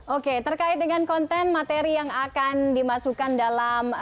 oke terkait dengan konten materi yang akan dimasukkan dalam